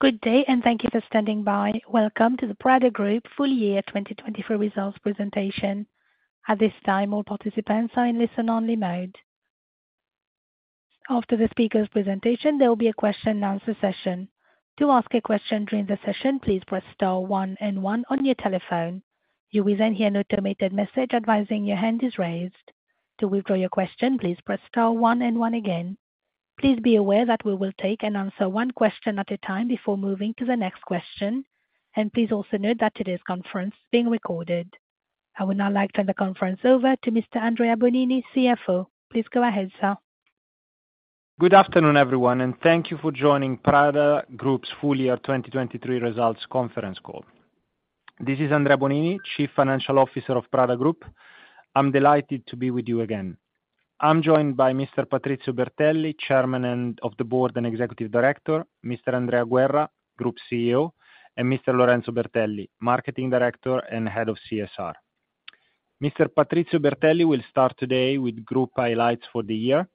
Good day and thank you for standing by. Welcome to the Prada Group full year 2024 results presentation. At this time, all participants are in listen-only mode. After the speaker's presentation, there will be a question-and-answer session. To ask a question during the session, please press star 1 and 1 on your telephone. You will then hear an automated message advising your hand is raised. To withdraw your question, please press star 1 and 1 again. Please be aware that we will take and answer one question at a time before moving to the next question, and please also note that it is a conference being recorded. I would now like to turn the conference over to Mr. Andrea Bonini, CFO. Please go ahead, sir. Good afternoon, everyone, and thank you for joining Prada Group's full year 2023 results conference call. This is Andrea Bonini, Chief Financial Officer of Prada Group. I'm delighted to be with you again. I'm joined by Mr. Patrizio Bertelli, Chairman of the Board and Executive Director, Mr. Andrea Guerra, Group CEO, and Mr. Lorenzo Bertelli, Marketing Director and Head of CSR. Mr. Patrizio Bertelli will start today with group highlights for the year,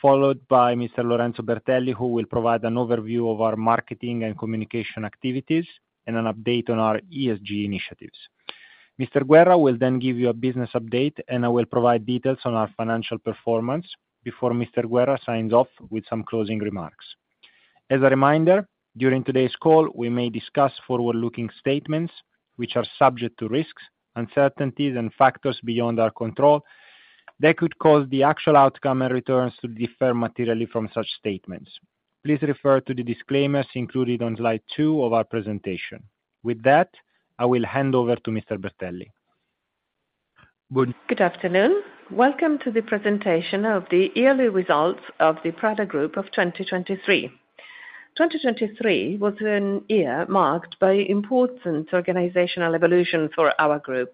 followed by Mr. Lorenzo Bertelli, who will provide an overview of our marketing and communication activities and an update on our ESG initiatives. Mr. Guerra will then give you a business update, and I will provide details on our financial performance before Mr. Guerra signs off with some closing remarks. As a reminder, during today's call, we may discuss forward-looking statements which are subject to risks, uncertainties, and factors beyond our control that could cause the actual outcome and returns to differ materially from such statements. Please refer to the disclaimers included on slide two of our presentation. With that, I will hand over to Mr. Bertelli. Good afternoon. Welcome to the presentation of the yearly results of the Prada Group of 2023. 2023 was a year marked by important organizational evolution for our group,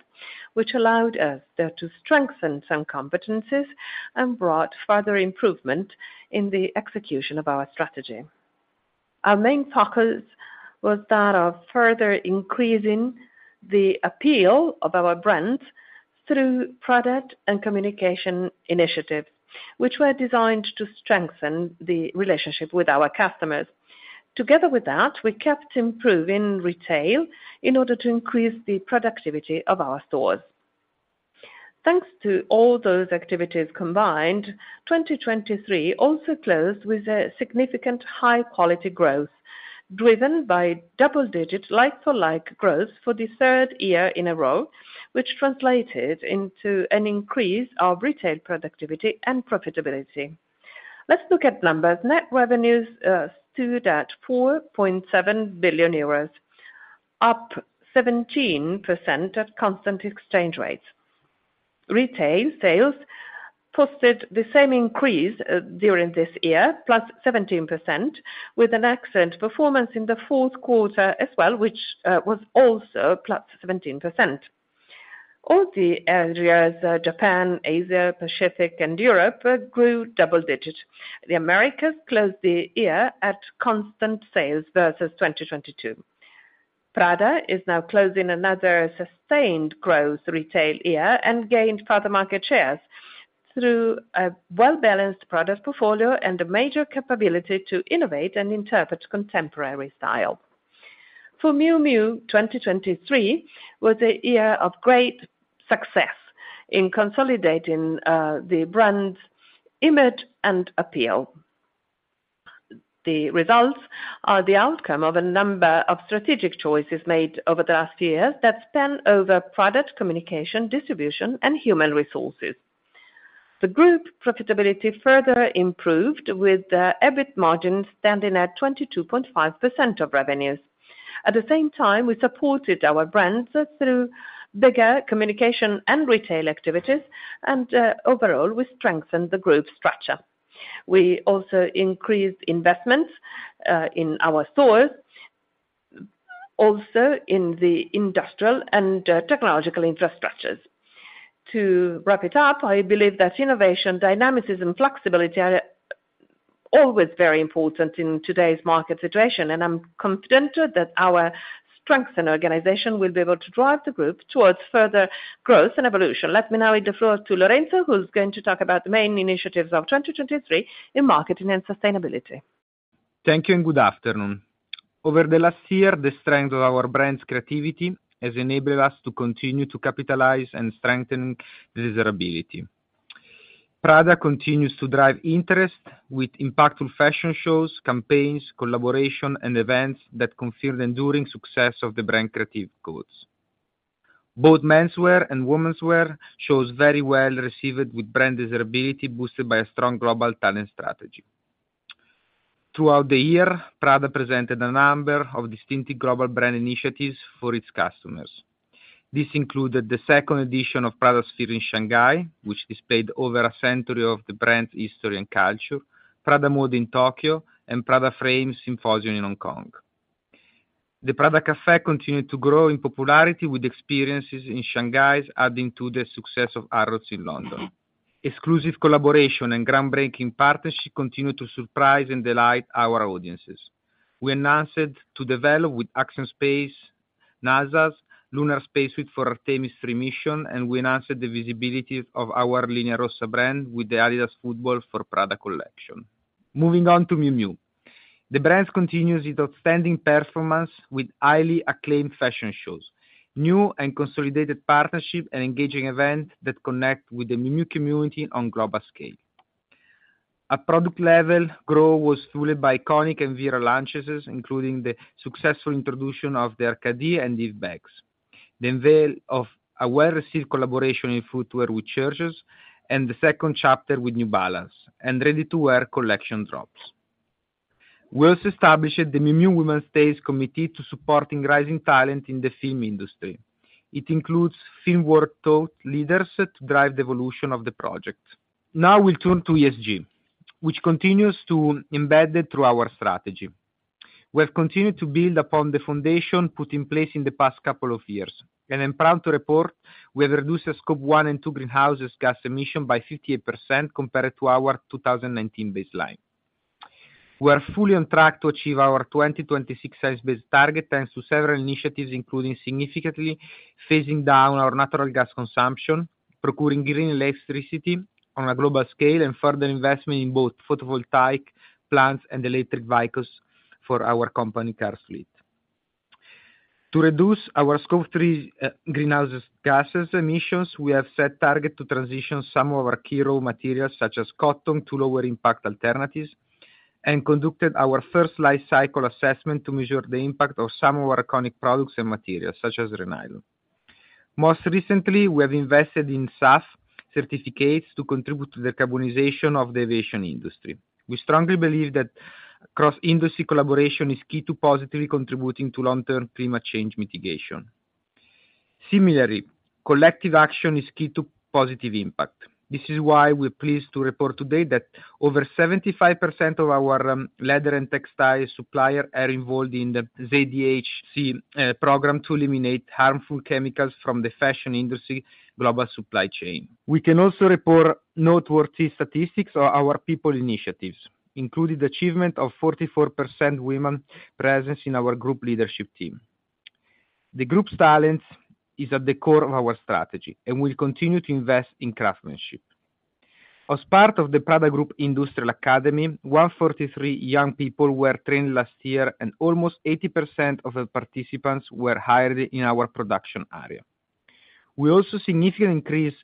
which allowed us to strengthen some competencies and brought further improvement in the execution of our strategy. Our main focus was that of further increasing the appeal of our brand through product and communication initiatives, which were designed to strengthen the relationship with our customers. Together with that, we kept improving retail in order to increase the productivity of our stores. Thanks to all those activities combined, 2023 also closed with a significant high-quality growth, driven by double-digit like-for-like growth for the third year in a row, which translated into an increase of retail productivity and profitability. Let's look at numbers. Net revenues stood at 4.7 billion euros, up 17% at constant exchange rates. Retail sales posted the same increase during this year, +17%, with an excellent performance in the fourth quarter as well, which was also +17%. All the areas (Japan, Asia, Pacific, and Europe) grew double-digit. The Americas closed the year at constant sales versus 2022. Prada is now closing another sustained growth retail year and gained further market shares through a well-balanced product portfolio and a major capability to innovate and interpret contemporary style. For Miu Miu, 2023 was a year of great success in consolidating the brand's image and appeal. The results are the outcome of a number of strategic choices made over the last years that span over product, communication, distribution, and human resources. The group profitability further improved, with EBIT margins standing at 22.5% of revenues. At the same time, we supported our brands through bigger communication and retail activities, and overall, we strengthened the group structure. We also increased investments in our stores, also in the industrial and technological infrastructures. To wrap it up, I believe that innovation, dynamism, and flexibility are always very important in today's market situation, and I'm confident that our strengthened organization will be able to drive the group towards further growth and evolution. Let me now hand the floor to Lorenzo, who's going to talk about the main initiatives of 2023 in marketing and sustainability. Thank you and good afternoon. Over the last year, the strength of our brand's creativity has enabled us to continue to capitalize and strengthen the visibility. Prada continues to drive interest with impactful fashion shows, campaigns, collaborations, and events that confirm the enduring success of the brand creative codes. Both menswear and womenswear shows very well received with brand visibility boosted by a strong global talent strategy. Throughout the year, Prada presented a number of distinctive global brand initiatives for its customers. This included the second edition of Pradasphere in Shanghai, which displayed over a century of the brand's history and culture. Prada Mode in Tokyo. And Prada Frames Symposium in Hong Kong. The Prada Café continued to grow in popularity with experiences in Shanghai, adding to the success of Harrods in London. Exclusive collaboration and groundbreaking partnerships continue to surprise and delight our audiences. We announced to develop with Axiom Space, NASA's lunar spacesuit for Artemis III mission, and we announced the visibility of our Luna Rossa brand with the Adidas Football for Prada collection. Moving on to Miu Miu. The brand continues its outstanding performance with highly acclaimed fashion shows, new and consolidated partnerships, and engaging events that connect with the Miu Miu community on a global scale. At product level, growth was fueled by iconic and viral launches, including the successful introduction of the Arcadie and Ivy bags, the unveil of a well-received collaboration in footwear with Church's, and the second chapter with New Balance and ready-to-wear collection drops. We also established the Miu Miu Women's Tales Committee to support rising talent in the film industry. It includes film world leaders to drive the evolution of the project. Now we'll turn to ESG, which continues to be embedded through our strategy. We have continued to build upon the foundation put in place in the past couple of years, and I'm proud to report we have reduced Scope 1 and 2 greenhouse gas emissions by 58% compared to our 2019 baseline. We are fully on track to achieve our 2026 science-based target thanks to several initiatives, including significantly phasing down our natural gas consumption, procuring green electricity on a global scale, and further investment in both photovoltaic plants and electric vehicles for our company, Car Shoe. To reduce our Scope 3 greenhouse gas emissions, we have set a target to transition some of our key raw materials, such as cotton, to lower-impact alternatives, and conducted our first life cycle assessment to measure the impact of some of our iconic products and materials, such as Re-Nylon. Most recently, we have invested in SAF certificates to contribute to decarbonization of the aviation industry. We strongly believe that cross-industry collaboration is key to positively contributing to long-term climate change mitigation. Similarly, collective action is key to positive impact. This is why we're pleased to report today that over 75% of our leather and textile suppliers are involved in the ZDHC program to eliminate harmful chemicals from the fashion industry global supply chain. We can also report noteworthy statistics on our people initiatives, including the achievement of 44% women presence in our group leadership team. The group's talent is at the core of our strategy, and we'll continue to invest in craftsmanship. As part of the Prada Group Industrial Academy, 143 young people were trained last year, and almost 80% of the participants were hired in our production area. We also significantly increased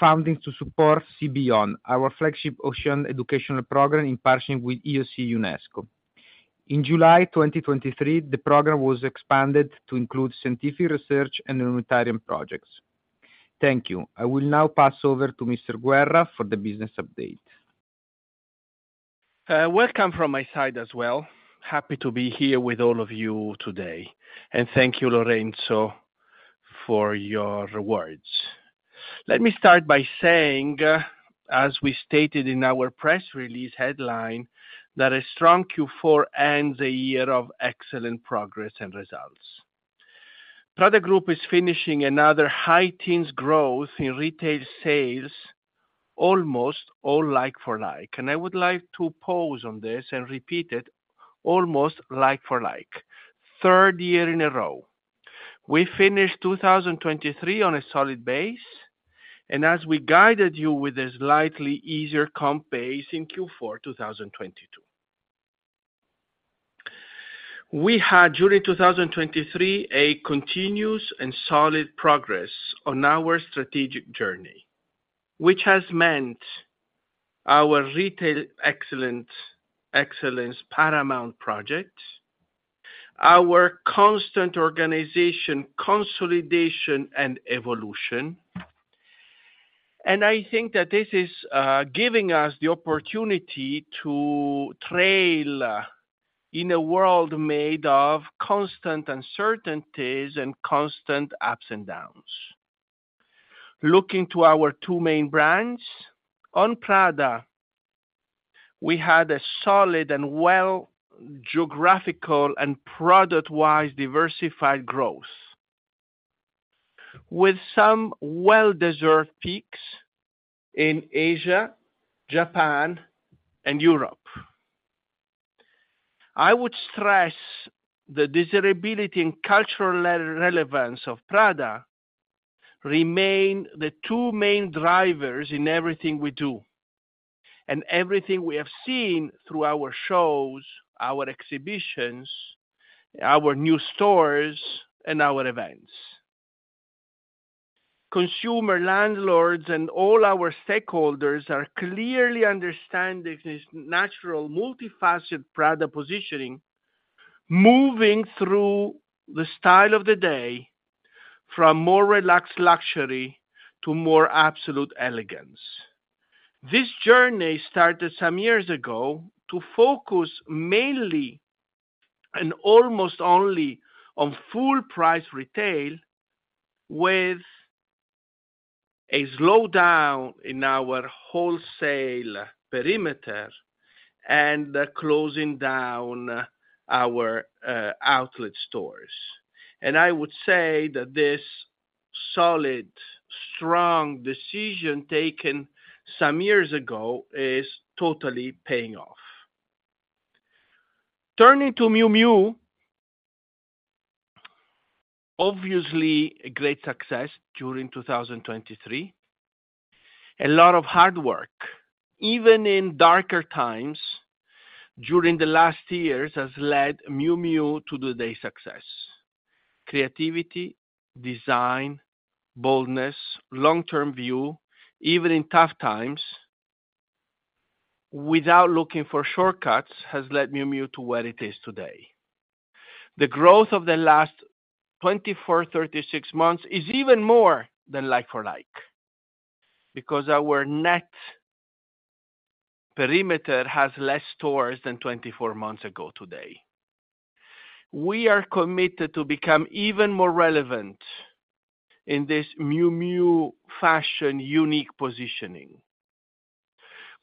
funding to support SEA BEYOND, our flagship ocean educational program in partnership with IOC UNESCO. In July 2023, the program was expanded to include scientific research and humanitarian projects. Thank you. I will now pass over to Mr. Guerra for the business update. Welcome from my side as well. Happy to be here with all of you today, and thank you, Lorenzo, for your words. Let me start by saying, as we stated in our press release headline, that a strong Q4 ends a year of excellent progress and results. Prada Group is finishing another high-teens growth in retail sales, almost all like-for-like, and I would like to pause on this and repeat it: almost like-for-like, third year in a row. We finished 2023 on a solid base, and as we guided you with a slightly easier comp base in Q4 2022. We had, during 2023, a continuous and solid progress on our strategic journey, which has meant our retail excellence paramount project, our constant organization consolidation and evolution, and I think that this is giving us the opportunity to thrive in a world made of constant uncertainties and constant ups and downs. Looking to our two main brands, on Prada, we had a solid and well-geographical and product-wise diversified growth, with some well-deserved peaks in Asia, Japan, and Europe. I would stress the visibility and cultural relevance of Prada remain the two main drivers in everything we do and everything we have seen through our shows, our exhibitions, our new stores, and our events. Consumers, landlords and all our stakeholders are clearly understanding this natural multifaceted Prada positioning, moving through the style of the day from more relaxed luxury to more absolute elegance. This journey started some years ago to focus mainly and almost only on full-price retail, with a slowdown in our wholesale perimeter and closing down our outlet stores. I would say that this solid, strong decision taken some years ago is totally paying off. Turning to Miu Miu, obviously a great success during 2023. A lot of hard work, even in darker times, during the last years has led Miu Miu to today's success. Creativity, design, boldness, long-term view, even in tough times, without looking for shortcuts, has led Miu Miu to where it is today. The growth of the last 24, 36 months is even more than like-for-like because our net perimeter has less stores than 24 months ago today. We are committed to become even more relevant in this Miu Miu fashion unique positioning.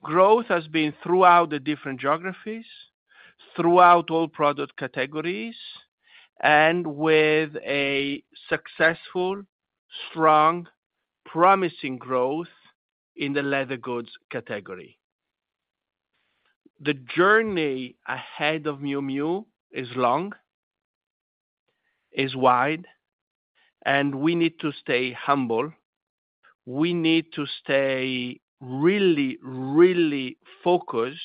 Growth has been throughout the different geographies, throughout all product categories, and with a successful, strong, promising growth in the leather goods category. The journey ahead of Miu Miu is long, is wide, and we need to stay humble. We need to stay really, really focused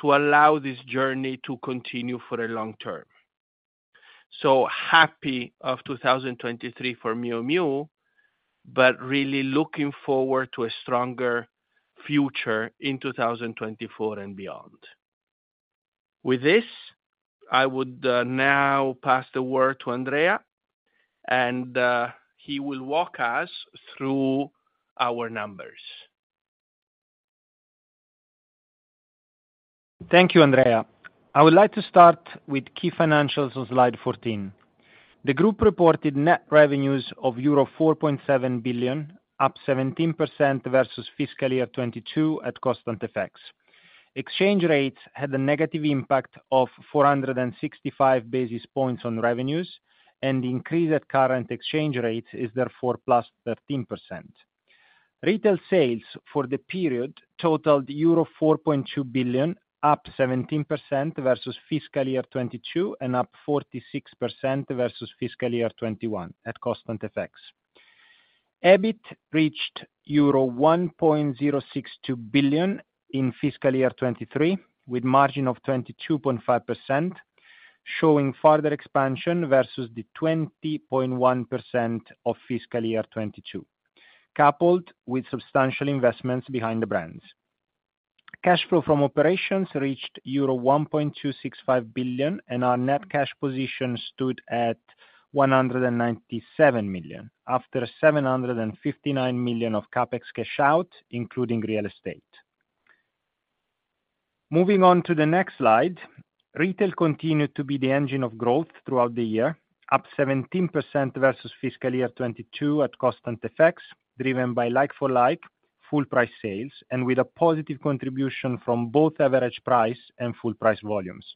to allow this journey to continue for a long term. So happy of 2023 for Miu Miu, but really looking forward to a stronger future in 2024 and beyond. With this, I would now pass the word to Andrea, and he will walk us through our numbers. Thank you, Andrea. I would like to start with key financials on slide 14. The group reported net revenues of euro 4.7 billion, up 17% versus fiscal year 2022 at constant effects. Exchange rates had a negative impact of 465 basis points on revenues, and the increase at current exchange rates is therefore plus 13%. Retail sales for the period totaled euro 4.2 billion, up 17% versus fiscal year 2022 and up 46% versus fiscal year 2021 at constant effects. EBIT reached euro 1.062 billion in fiscal year 2023 with a margin of 22.5%, showing further expansion versus the 20.1% of fiscal year 2022, coupled with substantial investments behind the brands. Cash flow from operations reached euro 1.265 billion, and our net cash position stood at 197 million, after 759 million of CapEx cash out, including real estate. Moving on to the next slide, retail continued to be the engine of growth throughout the year, up 17% versus fiscal year 2022 at constant effects, driven by like-for-like, full-price sales, and with a positive contribution from both average price and full-price volumes.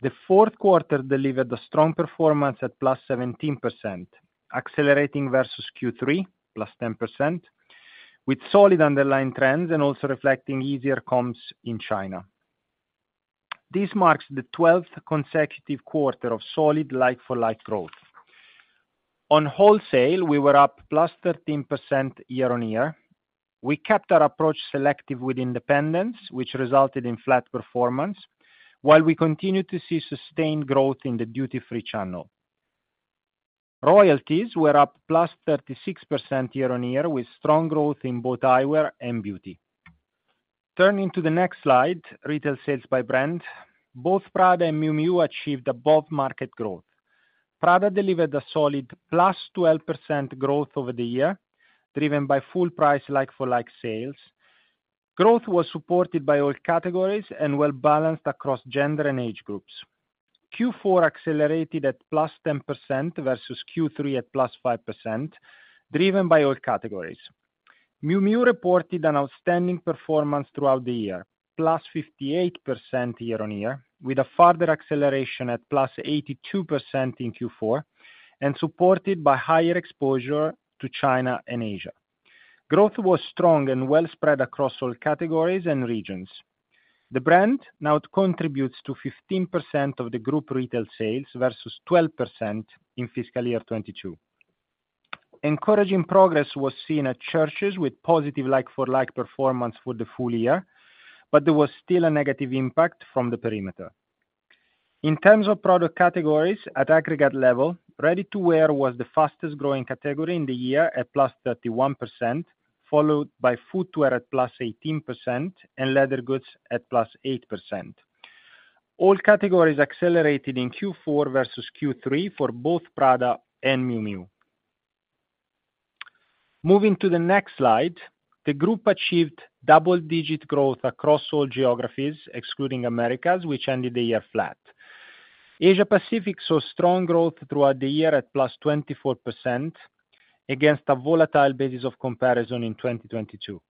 The fourth quarter delivered a strong performance at +17%, accelerating versus Q3, +10%, with solid underlying trends and also reflecting easier comps in China. This marks the 12th consecutive quarter of solid like-for-like growth. On wholesale, we were up +13% year-over-year. We kept our approach selective with independents, which resulted in flat performance, while we continue to see sustained growth in the duty-free channel. Royalties were up +36% year-over-year, with strong growth in both eyewear and beauty. Turning to the next slide, retail sales by brand, both Prada and Miu Miu achieved above-market growth. Prada delivered a solid +12% growth over the year, driven by full-price like-for-like sales. Growth was supported by all categories and well-balanced across gender and age groups. Q4 accelerated at +10% versus Q3 at +5%, driven by all categories. Miu Miu reported an outstanding performance throughout the year, +58% year-on-year, with a further acceleration at +82% in Q4 and supported by higher exposure to China and Asia. Growth was strong and well-spread across all categories and regions. The brand now contributes to 15% of the group retail sales versus 12% in fiscal year 2022. Encouraging progress was seen at Church's with positive like-for-like performance for the full year, but there was still a negative impact from the perimeter. In terms of product categories, at aggregate level, ready-to-wear was the fastest-growing category in the year at +31%, followed by footwear at +18% and leather goods at +8%. All categories accelerated in Q4 versus Q3 for both Prada and Miu Miu. Moving to the next slide, the group achieved double-digit growth across all geographies, excluding Americas, which ended the year flat. Asia-Pacific saw strong growth throughout the year at +24%, against a volatile basis of comparison in 2022.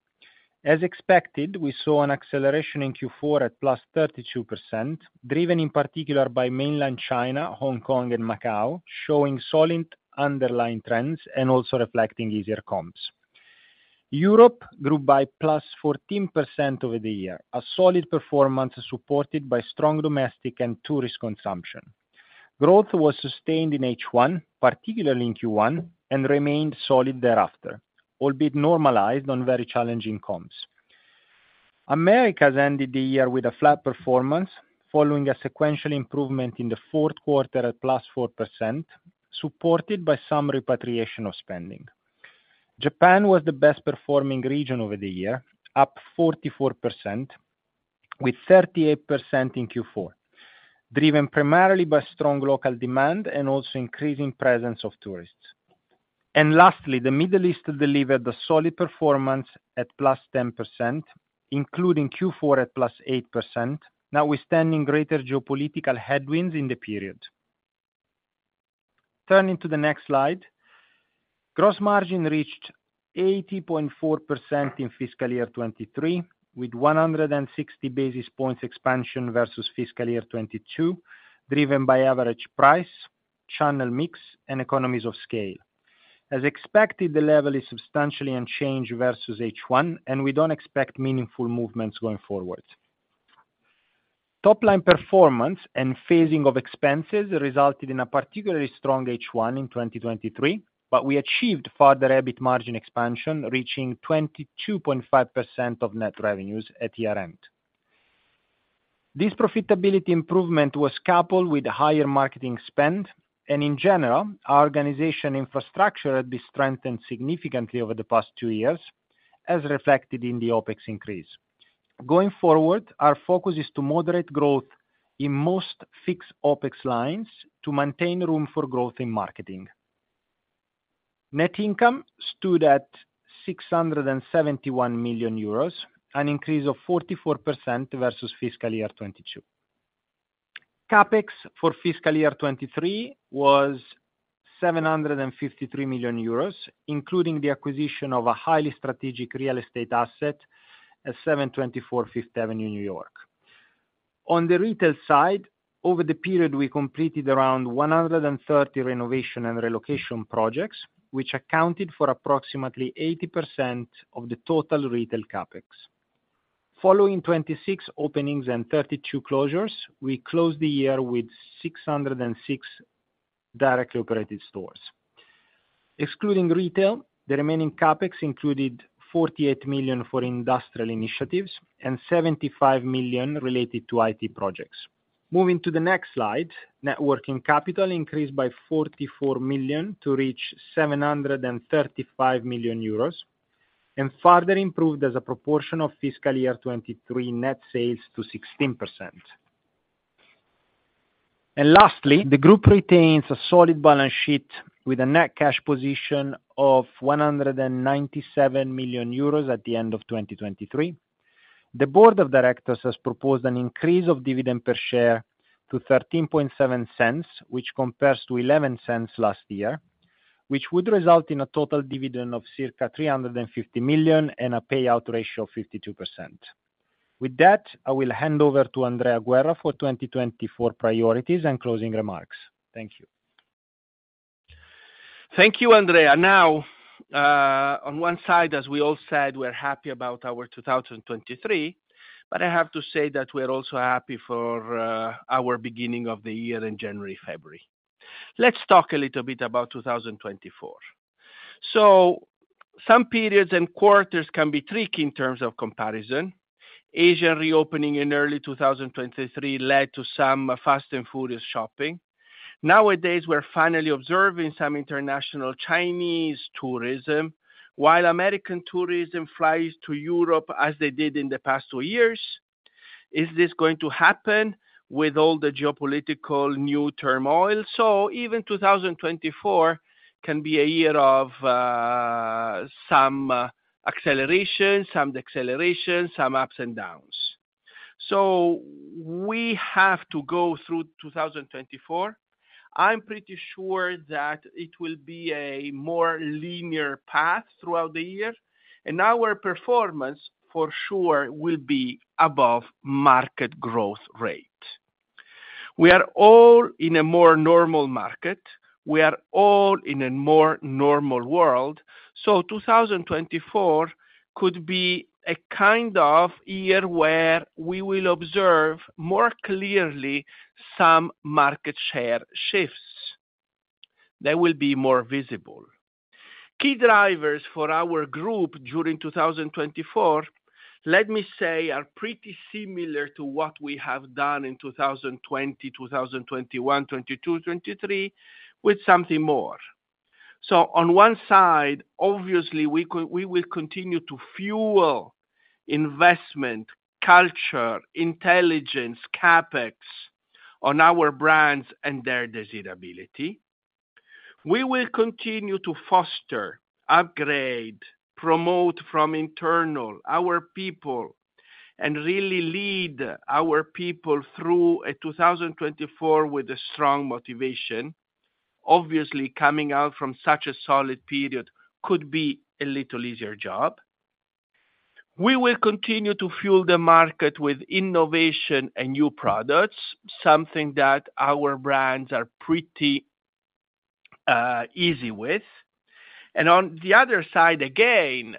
As expected, we saw an acceleration in Q4 at +32%, driven in particular by Mainland China, Hong Kong, and Macau, showing solid underlying trends and also reflecting easier comps. Europe grew by +14% over the year, a solid performance supported by strong domestic and tourist consumption. Growth was sustained in H1, particularly in Q1, and remained solid thereafter, albeit normalized on very challenging comps. Americas ended the year with a flat performance, following a sequential improvement in the fourth quarter at +4%, supported by some repatriation of spending. Japan was the best-performing region over the year, up 44%, with 38% in Q4, driven primarily by strong local demand and also increasing presence of tourists. Lastly, the Middle East delivered a solid performance at +10%, including Q4 at +8%, notwithstanding greater geopolitical headwinds in the period. Turning to the next slide, gross margin reached 80.4% in fiscal year 2023, with 160 basis points expansion versus fiscal year 2022, driven by average price, channel mix, and economies of scale. As expected, the level is substantially unchanged versus H1, and we don't expect meaningful movements going forward. Top-line performance and phasing of expenses resulted in a particularly strong H1 in 2023, but we achieved further EBIT margin expansion, reaching 22.5% of net revenues at year-end. This profitability improvement was coupled with higher marketing spend, and in general, our organization infrastructure had been strengthened significantly over the past two years, as reflected in the OPEX increase. Going forward, our focus is to moderate growth in most fixed OPEX lines to maintain room for growth in marketing. Net income stood at 671 million euros, an increase of 44% versus fiscal year 2022. CapEx for fiscal year 2023 was 753 million euros, including the acquisition of a highly strategic real estate asset at 724 Fifth Avenue, New York. On the retail side, over the period, we completed around 130 renovation and relocation projects, which accounted for approximately 80% of the total retail CapEx. Following 26 openings and 32 closures, we closed the year with 606 directly operated stores. Excluding retail, the remaining CapEx included 48 million for industrial initiatives and 75 million related to IT projects. Moving to the next slide, net working capital increased by 44 million to reach 735 million euros and further improved as a proportion of fiscal year 2023 net sales to 16%. Lastly, the group retains a solid balance sheet with a net cash position of 197 million euros at the end of 2023. The board of directors has proposed an increase of dividend per share to 0.13, which compares to 0.11 last year, which would result in a total dividend of circa 350 million and a payout ratio of 52%. With that, I will hand over to Andrea Guerra for 2024 priorities and closing remarks. Thank you. Thank you, Andrea. Now, on one side, as we all said, we're happy about our 2023, but I have to say that we're also happy for our beginning of the year in January, February. Let's talk a little bit about 2024. Some periods and quarters can be tricky in terms of comparison. Asia reopening in early 2023 led to some fast and furious shopping. Nowadays, we're finally observing some international Chinese tourism, while American tourism flies to Europe as they did in the past two years. Is this going to happen with all the geopolitical new turmoil? Even 2024 can be a year of some acceleration, some deceleration, some ups and downs. We have to go through 2024. I'm pretty sure that it will be a more linear path throughout the year, and our performance for sure will be above market growth rate. We are all in a more normal market. We are all in a more normal world. So 2024 could be a kind of year where we will observe more clearly some market share shifts that will be more visible. Key drivers for our group during 2024, let me say, are pretty similar to what we have done in 2020, 2021, 2022, 2023, with something more. So on one side, obviously, we will continue to fuel investment, culture, intelligence, CapEx on our brands and their desirability. We will continue to foster, upgrade, promote from internal, our people, and really lead our people through 2024 with a strong motivation. Obviously, coming out from such a solid period could be a little easier job. We will continue to fuel the market with innovation and new products, something that our brands are pretty easy with. On the other side, again,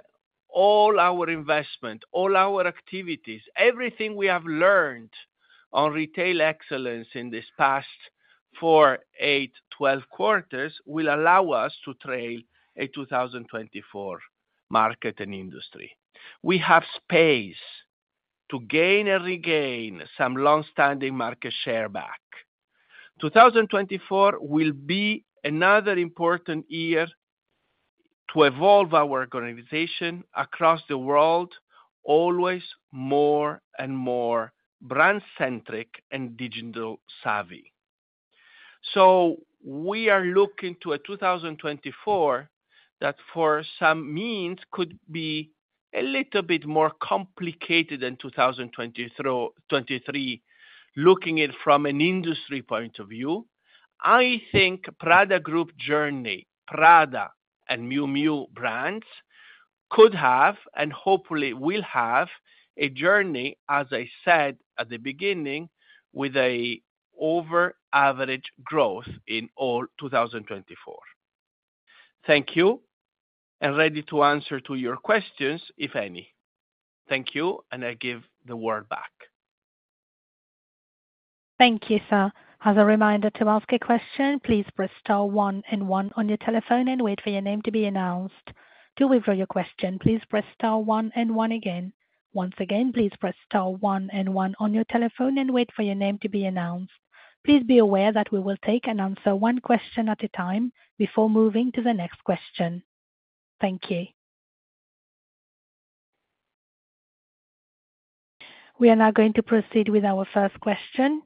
all our investment, all our activities, everything we have learned on retail excellence in this past four, eight, 12 quarters will allow us to trail a 2024 market and industry. We have space to gain and regain some longstanding market share back. 2024 will be another important year to evolve our organization across the world, always more and more brand-centric and digital-savvy. So we are looking to a 2024 that, for some means, could be a little bit more complicated than 2023, looking at it from an industry point of view. I think Prada Group's journey, Prada and Miu Miu brands, could have and hopefully will have a journey, as I said at the beginning, with over-average growth in all 2024. Thank you and ready to answer your questions, if any. Thank you, and I give the word back. Thank you, sir. As a reminder to ask a question, please press star one and one on your telephone and wait for your name to be announced. To withdraw your question, please press star one and one again. Once again, please press star one and one on your telephone and wait for your name to be announced. Please be aware that we will take and answer one question at a time before moving to the next question. Thank you. We are now going to proceed with our first question.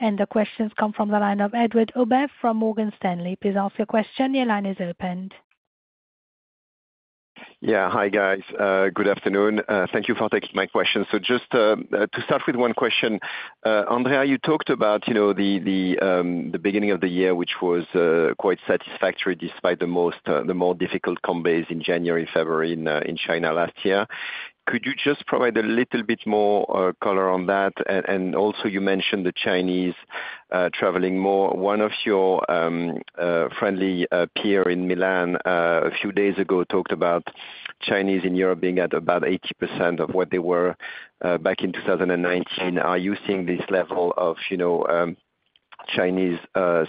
The questions come from the line of Edouard Aubin from Morgan Stanley. Please ask your question. Your line is open. Yeah, hi, guys. Good afternoon. Thank you for taking my question. So just to start with one question, Andrea, you talked about the beginning of the year, which was quite satisfactory despite the more difficult context in January, February in China last year. Could you just provide a little bit more color on that? And also, you mentioned the Chinese traveling more. One of your friendly peers in Milan a few days ago talked about Chinese in Europe being at about 80% of what they were back in 2019. Are you seeing this level of Chinese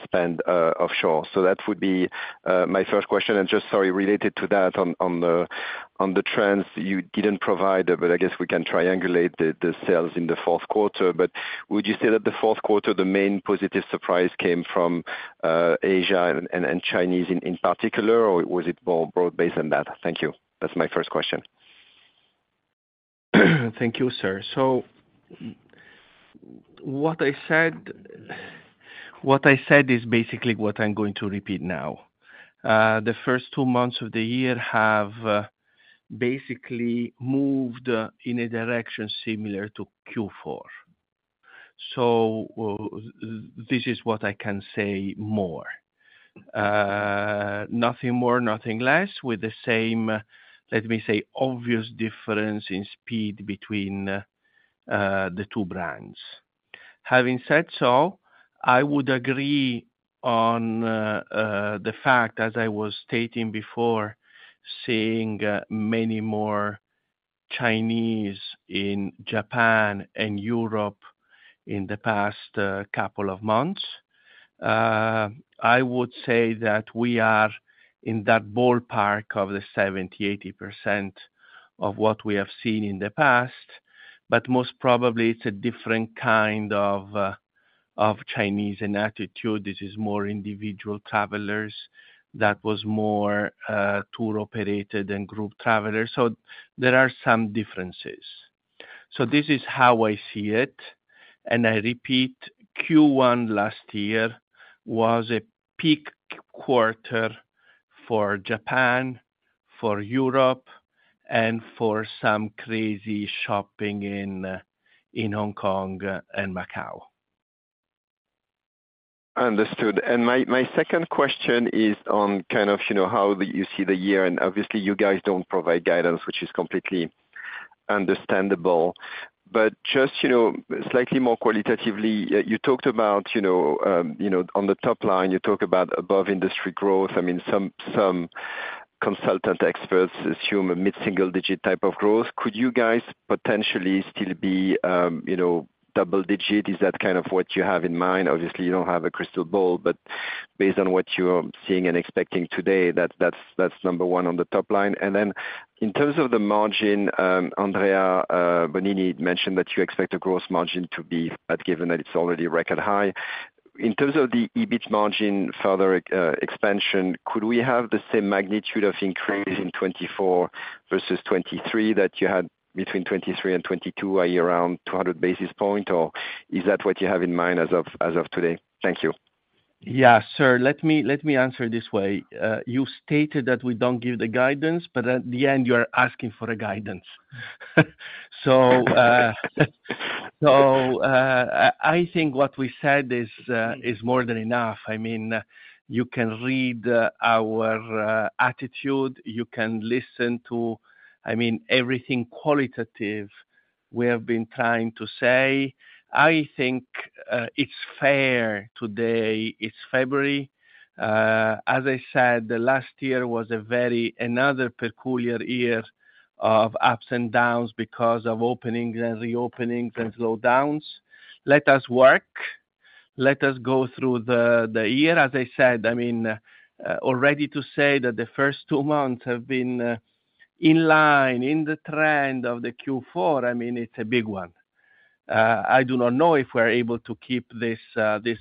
spend offshore? So that would be my first question. And just sorry, related to that, on the trends, you didn't provide, but I guess we can triangulate the sales in the fourth quarter. But would you say that the fourth quarter, the main positive surprise came from Asia and Chinese in particular, or was it more broad-based than that? Thank you. That's my first question. Thank you, sir. So what I said is basically what I'm going to repeat now. The first two months of the year have basically moved in a direction similar to Q4. So this is what I can say more. Nothing more, nothing less, with the same, let me say, obvious difference in speed between the two brands. Having said so, I would agree on the fact, as I was stating before, seeing many more Chinese in Japan and Europe in the past couple of months. I would say that we are in that ballpark of the 70%-80% of what we have seen in the past. But most probably, it's a different kind of Chinese attitude. This is more individual travelers. That was more tour-operated and group travelers. So there are some differences. So this is how I see it. I repeat, Q1 last year was a peak quarter for Japan, for Europe, and for some crazy shopping in Hong Kong and Macau. Understood. My second question is on kind of how you see the year. Obviously, you guys don't provide guidance, which is completely understandable. But just slightly more qualitatively, you talked about, on the top line, you talk about above-industry growth. I mean, some consultant experts assume a mid-single-digit type of growth. Could you guys potentially still be double-digit? Is that kind of what you have in mind? Obviously, you don't have a crystal ball. But based on what you're seeing and expecting today, that's number one on the top line. Then in terms of the margin, Andrea Bonini mentioned that you expect the gross margin to be, given that it's already record high. In terms of the EBIT margin further expansion, could we have the same magnitude of increase in 2024 versus 2023 that you had between 2023 and 2022, around 200 basis points? Or is that what you have in mind as of today? Thank you. Yeah, sir. Let me answer this way. You stated that we don't give the guidance, but at the end, you are asking for a guidance. So I think what we said is more than enough. I mean, you can read our attitude. You can listen to, I mean, everything qualitative we have been trying to say. I think it's fair today. It's February. As I said, last year was another peculiar year of ups and downs because of openings and reopenings and slowdowns. Let us work. Let us go through the year. As I said, I mean, already to say that the first two months have been in line, in the trend of the Q4, I mean, it's a big one. I do not know if we're able to keep this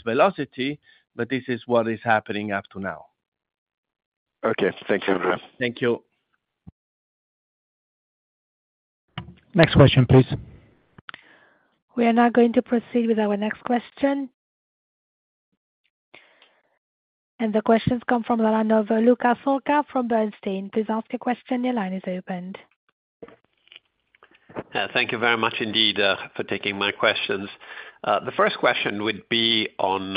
velocity, but this is what is happening up to now. Okay. Thank you, Andrea. Thank you. Next question, please. We are now going to proceed with our next question. The questions come from the line of Luca Solca from Bernstein. Please ask your question. Your line is open. Thank you very much indeed for taking my questions. The first question would be on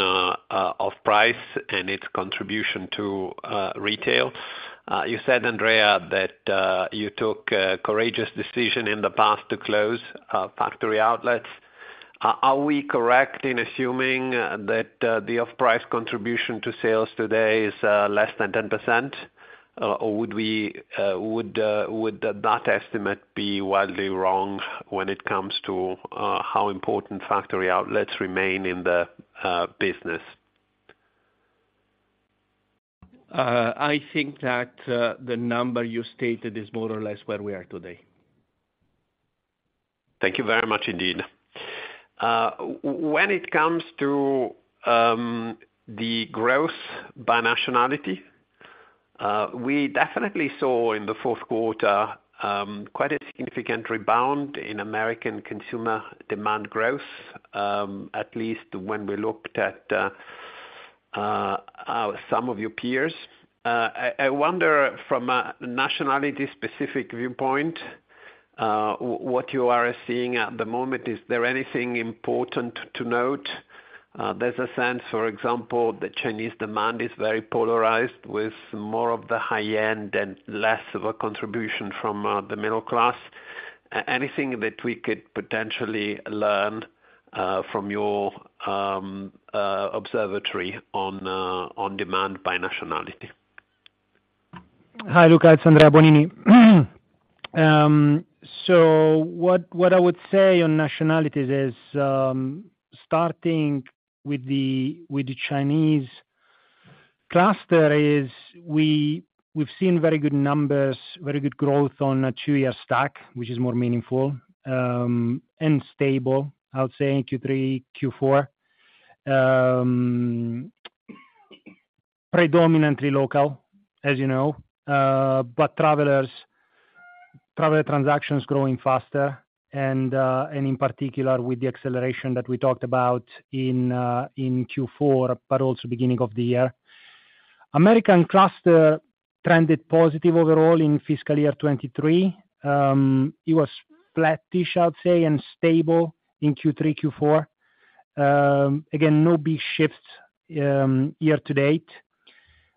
off-price and its contribution to retail. You said, Andrea, that you took a courageous decision in the past to close factory outlets. Are we correct in assuming that the off-price contribution to sales today is less than 10%? Or would that estimate be widely wrong when it comes to how important factory outlets remain in the business? I think that the number you stated is more or less where we are today. Thank you very much indeed. When it comes to the growth by nationality, we definitely saw in the fourth quarter quite a significant rebound in American consumer demand growth, at least when we looked at some of your peers. I wonder, from a nationality-specific viewpoint, what you are seeing at the moment, is there anything important to note? There's a sense, for example, that Chinese demand is very polarized, with more of the high-end and less of a contribution from the middle class. Anything that we could potentially learn from your observatory on demand by nationality? Hi, Luca. It's Andrea Bonini. So what I would say on nationalities is starting with the Chinese cluster is we've seen very good numbers, very good growth on a two-year stack, which is more meaningful and stable, I would say, in Q3, Q4. Predominantly local, as you know. But traveler transactions are growing faster, and in particular with the acceleration that we talked about in Q4, but also beginning of the year. American cluster trended positive overall in fiscal year 2023. It was flattish, I would say, and stable in Q3, Q4. Again, no big shifts year to date.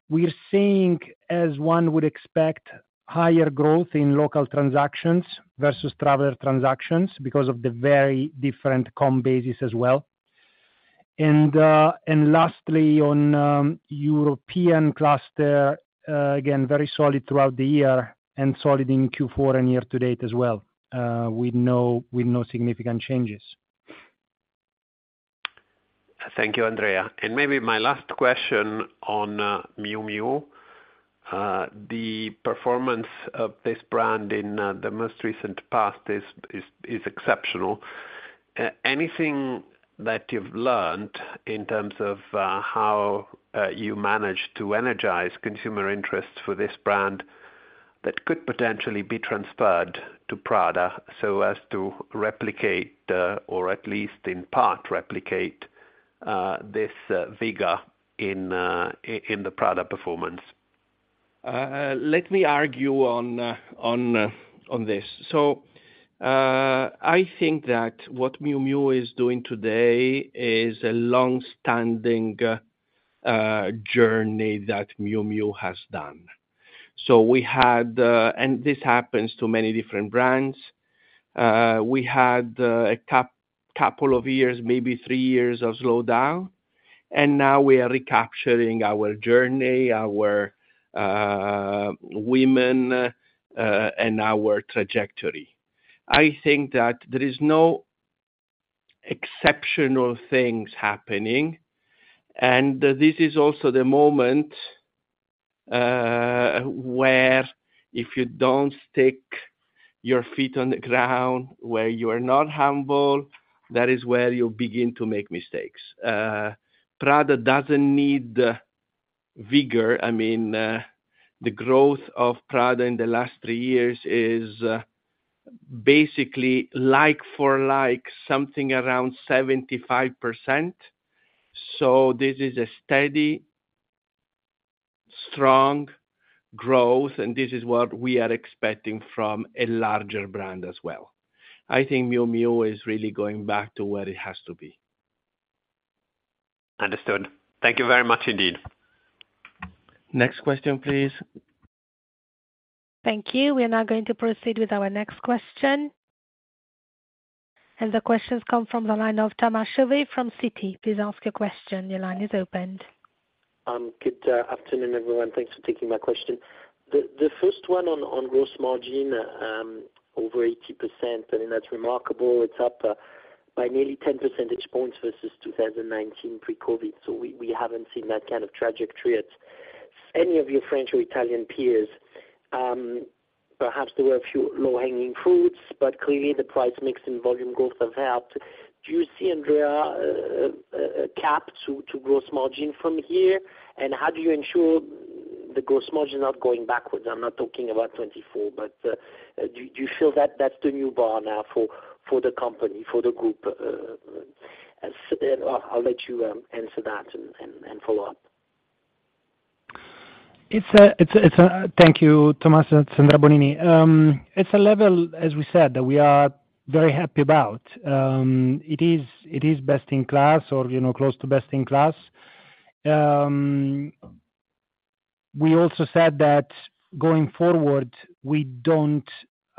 We're seeing, as one would expect, higher growth in local transactions versus traveler transactions because of the very different comp basis as well. And lastly, on European cluster, again, very solid throughout the year and solid in Q4 and year to date as well, with no significant changes. Thank you, Andrea. Maybe my last question on Miu Miu. The performance of this brand in the most recent past is exceptional. Anything that you've learned in terms of how you managed to energize consumer interest for this brand that could potentially be transferred to Prada so as to replicate, or at least in part replicate, this vigor in the Prada performance? Let me argue on this. So I think that what Miu Miu is doing today is a longstanding journey that Miu Miu has done. So we had, and this happens to many different brands, we had a couple of years, maybe three years of slowdown. And now we are recapturing our journey, our women, and our trajectory. I think that there are no exceptional things happening. And this is also the moment where, if you don't stick your feet on the ground, where you are not humble, that is where you begin to make mistakes. Prada doesn't need vigor. I mean, the growth of Prada in the last three years is basically like-for-like, something around 75%. So this is a steady, strong growth. And this is what we are expecting from a larger brand as well. I think Miu Miu is really going back to where it has to be. Understood. Thank you very much indeed. Next question, please. Thank you. We are now going to proceed with our next question. The questions come from the line of Thomas Chauvet from Citi. Please ask your question. Your line is open. Good afternoon, everyone. Thanks for taking my question. The first one on gross margin, over 80%. I mean, that's remarkable. It's up by nearly 10 percentage points versus 2019 pre-COVID. So we haven't seen that kind of trajectory at any of your French or Italian peers. Perhaps there were a few low-hanging fruits, but clearly, the price mix and volume growth have helped. Do you see, Andrea, a cap to gross margin from here? And how do you ensure the gross margin is not going backwards? I'm not talking about 2024, but do you feel that that's the new bar now for the company, for the group? I'll let you answer that and follow up. Thank you, Thomas and Andrea Bonini. It's a level, as we said, that we are very happy about. It is best in class or close to best in class. We also said that going forward, we don't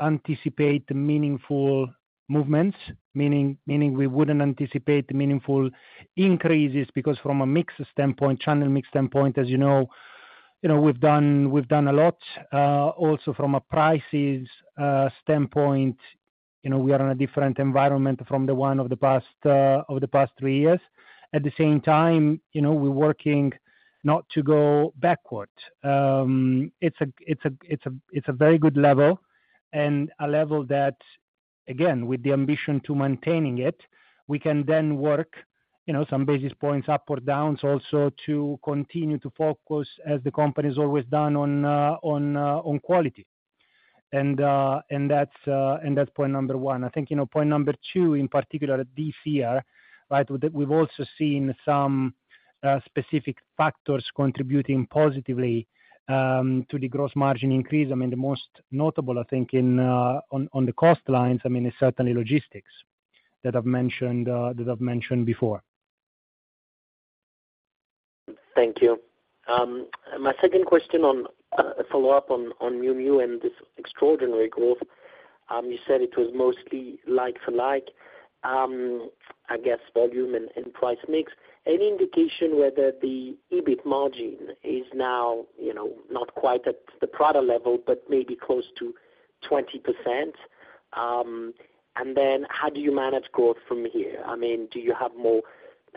anticipate meaningful movements, meaning we wouldn't anticipate meaningful increases because from a mixed standpoint, channel mixed standpoint, as you know, we've done a lot. Also, from a prices standpoint, we are in a different environment from the one of the past three years. At the same time, we're working not to go backward. It's a very good level, and a level that, again, with the ambition to maintaining it, we can then work some basis points up or down also to continue to focus, as the company has always done, on quality. That's point number one. I think point number two, in particular, at this year, we've also seen some specific factors contributing positively to the gross margin increase. I mean, the most notable, I think, on the cost lines, I mean, is certainly logistics that I've mentioned before. Thank you. My second question, a follow-up on Miu Miu and this extraordinary growth. You said it was mostly like-for-like, I guess. Volume and price mix. Any indication whether the EBIT margin is now not quite at the Prada level, but maybe close to 20%? And then how do you manage growth from here? I mean, do you have more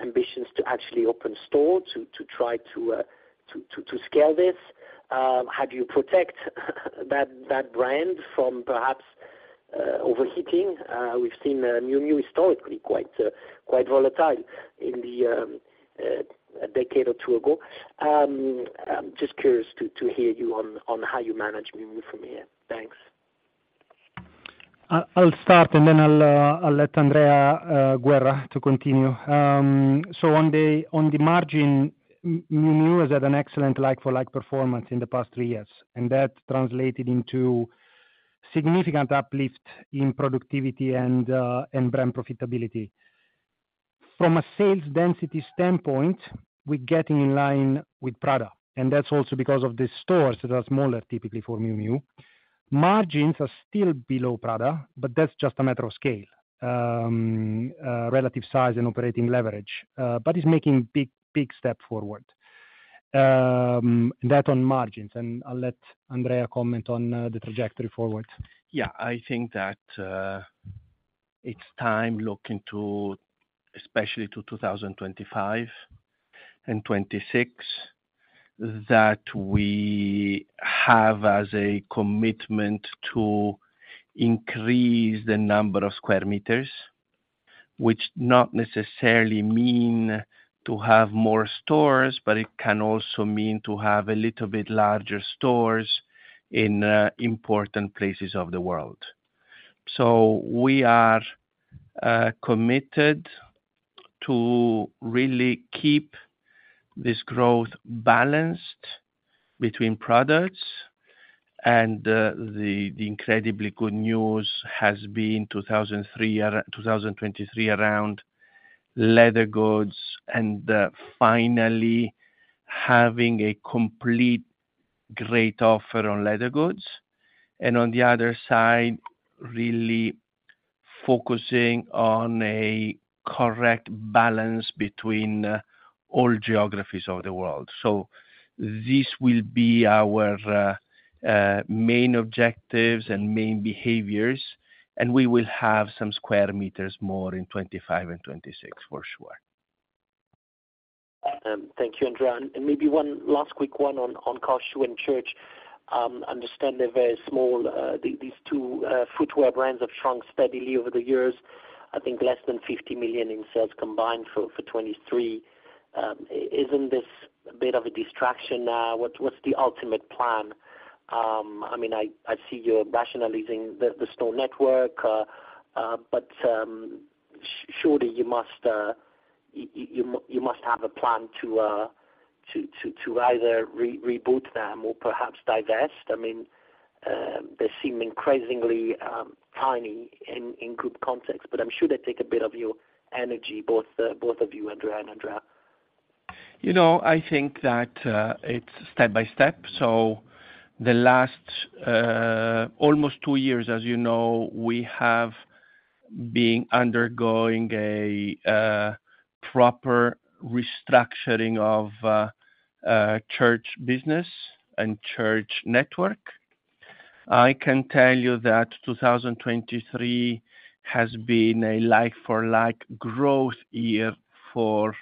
ambitions to actually open stores to try to scale this? How do you protect that brand from perhaps overheating? We've seen Miu Miu historically quite volatile in the decade or two ago. I'm just curious to hear you on how you manage Miu Miu from here. Thanks. I'll start, and then I'll let Andrea Guerra to continue. So on the margin, Miu Miu has had an excellent like-for-like performance in the past three years. And that translated into significant uplift in productivity and brand profitability. From a sales density standpoint, we're getting in line with Prada. And that's also because of the stores that are smaller, typically, for Miu Miu. Margins are still below Prada, but that's just a matter of scale, relative size and operating leverage, but it's making a big step forward. And that on margins. And I'll let Andrea comment on the trajectory forward. Yeah. I think that it's time looking especially to 2025 and 2026 that we have a commitment to increase the number of square meters, which not necessarily mean to have more stores, but it can also mean to have a little bit larger stores in important places of the world. So we are committed to really keep this growth balanced between products. And the incredibly good news has been 2023 around leather goods and finally having a complete great offer on leather goods. And on the other side, really focusing on a correct balance between all geographies of the world. So this will be our main objectives and main behaviors. And we will have some square meters more in 2025 and 2026, for sure. Thank you, Andrea. Maybe one last quick one on Car Shoe and Church's. I understand they're very small. These two footwear brands have shrunk steadily over the years. I think less than 50 million in sales combined for 2023. Isn't this a bit of a distraction now? What's the ultimate plan? I mean, I see you're rationalizing the store network, but surely you must have a plan to either reboot them or perhaps divest. I mean, they seem incredibly tiny in group context, but I'm sure they take a bit of your energy, both of you, Andrea and Andrea. I think that it's step by step. So the last almost two years, as you know, we have been undergoing a proper restructuring of Church's business and Church's network. I can tell you that 2023 has been a like-for-like growth year for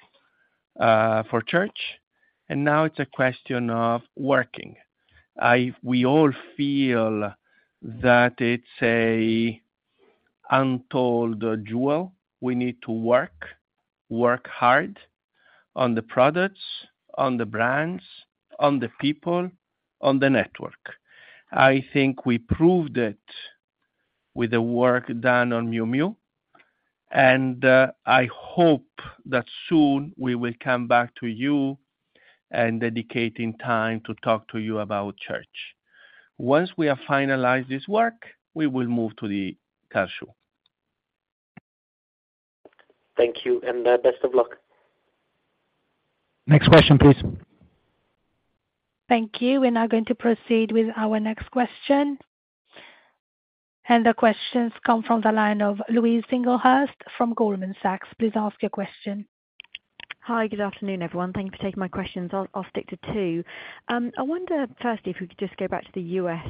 Church's. And now it's a question of working. We all feel that it's an untold jewel. We need to work hard on the products, on the brands, on the people, on the network. I think we proved it with the work done on Miu Miu. And I hope that soon we will come back to you and dedicate time to talk to you about Church's. Once we have finalized this work, we will move to the Car Shoe. Thank you. And best of luck. Next question, please. Thank you. We're now going to proceed with our next question. The questions come from the line of Louise Singlehurst from Goldman Sachs. Please ask your question. Hi. Good afternoon, everyone. Thank you for taking my questions. I'll stick to two. I wonder, firstly, if we could just go back to the U.S.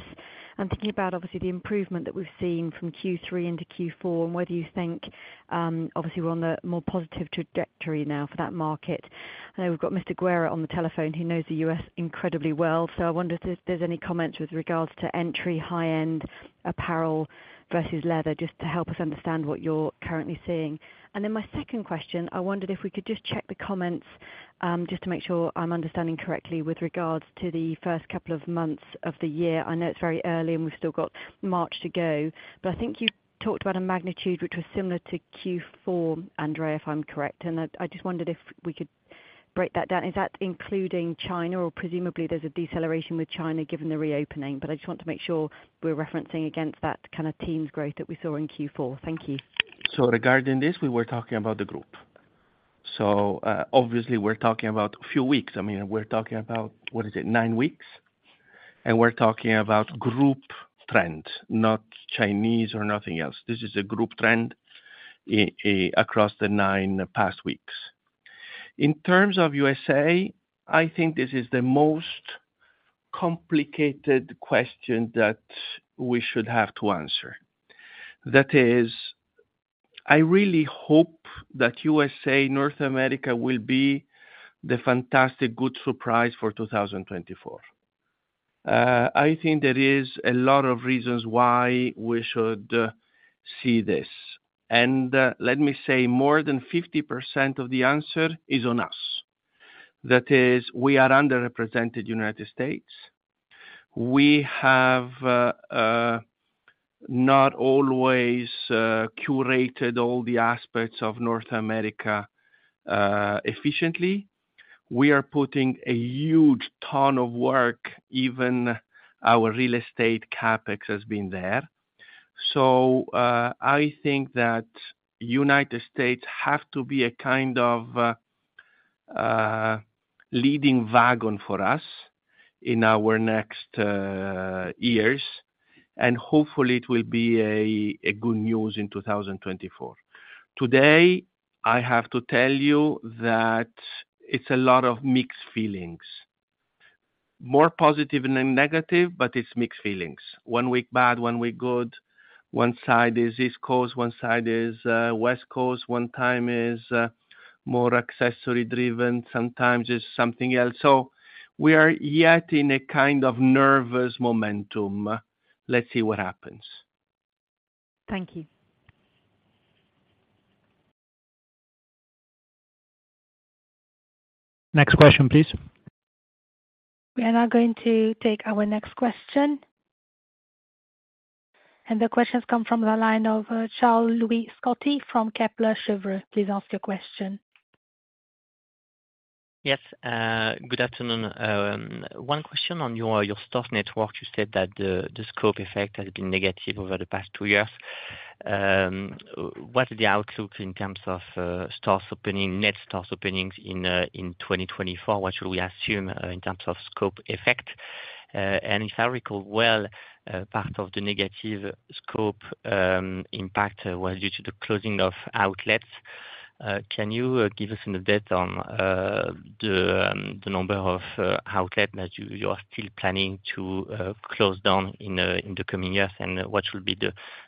and thinking about, obviously, the improvement that we've seen from Q3 into Q4 and whether you think, obviously, we're on the more positive trajectory now for that market. I know we've got Mr. Guerra on the telephone. He knows the U.S. incredibly well. So I wonder if there's any comments with regards to entry, high-end apparel versus leather, just to help us understand what you're currently seeing. And then my second question, I wondered if we could just check the comments just to make sure I'm understanding correctly with regards to the first couple of months of the year. I know it's very early, and we've still got March to go. I think you talked about a magnitude which was similar to Q4, Andrea, if I'm correct. I just wondered if we could break that down? Is that including China? Or presumably, there's a deceleration in China given the reopening. I just want to make sure we're referencing against that kind of teens growth that we saw in Q4. Thank you. Regarding this, we were talking about the group. Obviously, we're talking about a few weeks. I mean, we're talking about, what is it, nine weeks? We're talking about group trend, not Chinese or nothing else. This is a group trend across the nine past weeks. In terms of USA, I think this is the most complicated question that we should have to answer. That is, I really hope that USA, North America will be the fantastic, good surprise for 2024. I think there are a lot of reasons why we should see this. Let me say, more than 50% of the answer is on us. That is, we are underrepresented in the United States. We have not always curated all the aspects of North America efficiently. We are putting a huge ton of work. Even our real estate CapEx has been there. I think that the United States has to be a kind of leading wagon for us in our next years. Hopefully, it will be good news in 2024. Today, I have to tell you that it's a lot of mixed feelings, more positive than negative, but it's mixed feelings, one week bad, one week good. One side is East Coast, one side is West Coast. One time is more accessory-driven. Sometimes it's something else. So we are yet in a kind of nervous momentum. Let's see what happens. Thank you. Next question, please. We are now going to take our next question. The questions come from the line of Charles-Louis Scotti from Kepler Cheuvreux. Please ask your question. Yes. Good afternoon. One question on your store network. You said that the scope effect has been negative over the past two years. What are the outlooks in terms of net store openings in 2024? What should we assume in terms of scope effect? And if I recall well, part of the negative scope impact was due to the closing of outlets. Can you give us an update on the number of outlets that you are still planning to close down in the coming years? And what should be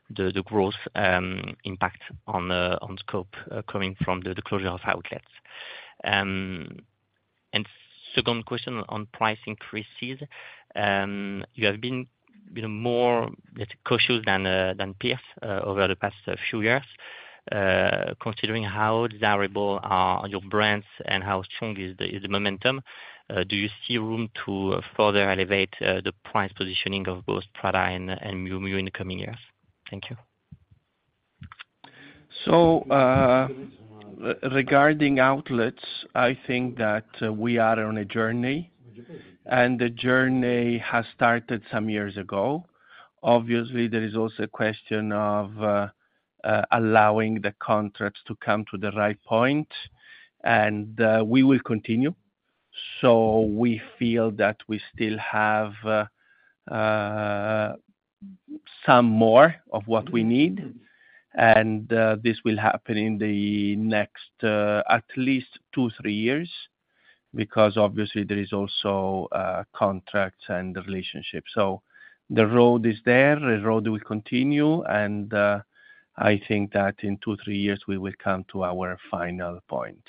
the growth impact on scope coming from the closure of outlets? And second question on price increases. You have been more, let's say, cautious than peers over the past few years, considering how desirable your brands are and how strong is the momentum. Do you see room to further elevate the price positioning of both Prada and Miu Miu in the coming years? Thank you. So regarding outlets, I think that we are on a journey. And the journey has started some years ago. Obviously, there is also a question of allowing the contracts to come to the right point. And we will continue. So we feel that we still have some more of what we need. And this will happen in at least two-three years because, obviously, there are also contracts and relationships. So the road is there. The road will continue. And I think that in two-three years, we will come to our final point.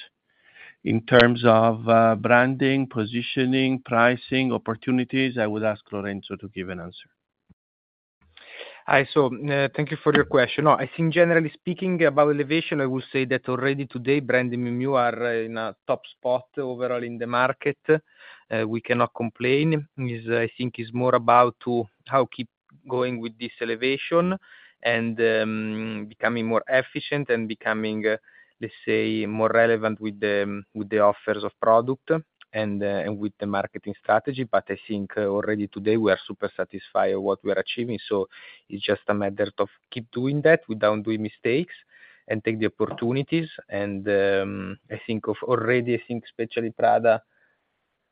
In terms of branding, positioning, pricing, opportunities, I would ask Lorenzo to give an answer. Hi. So thank you for your question. No, I think, generally speaking, about elevation, I will say that already today, brand and Miu Miu are in a top spot overall in the market. We cannot complain. I think it's more about how to keep going with this elevation and becoming more efficient and becoming, let's say, more relevant with the offers of product and with the marketing strategy. But I think already today, we are super satisfied with what we are achieving. So it's just a matter of keep doing that without doing mistakes and take the opportunities. And already, I think, especially Prada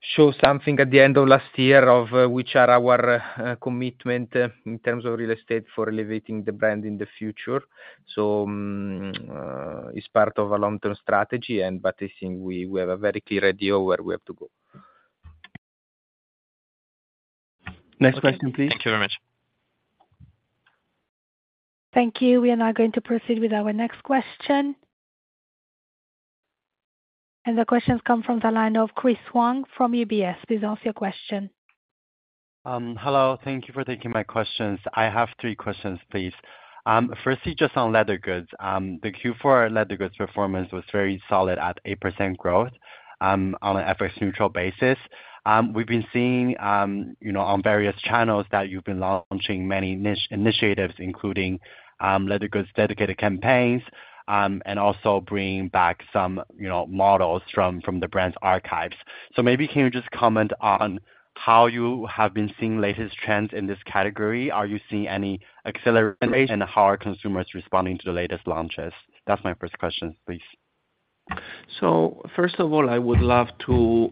showed something at the end of last year of which are our commitments in terms of real estate for elevating the brand in the future. So it's part of a long-term strategy. I think we have a very clear idea of where we have to go. Next question, please. Thank you very much. Thank you. We are now going to proceed with our next question. The questions come from the line of Chris Wong from UBS. Please ask your question. Hello. Thank you for taking my questions. I have three questions, please. Firstly, just on leather goods, the Q4 leather goods performance was very solid at 8% growth on an effects-neutral basis. We've been seeing on various channels that you've been launching many initiatives, including leather goods dedicated campaigns and also bringing back some models from the brand's archives. So maybe can you just comment on how you have been seeing latest trends in this category? Are you seeing any acceleration? And how are consumers responding to the latest launches? That's my first question, please. So first of all, I would love to